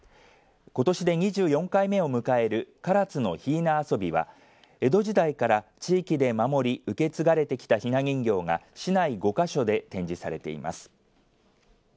ことしで２４回目を迎える唐津のひいな遊びは江戸時代から地域で守り受け継がれてきたひな人形が市内５か所で展示されています。